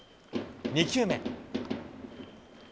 ２球目。